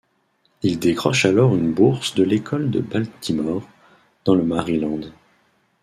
Il décroche alors une bourse de l’école de Baltimore, dans le Maryland.